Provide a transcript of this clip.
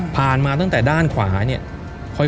มาตั้งแต่ด้านขวาเนี่ย